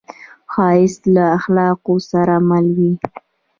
ښایست له اخلاقو سره مل وي